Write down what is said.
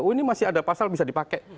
oh ini masih ada pasal bisa dipakai